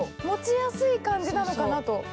持ちやすい感じなのかなと。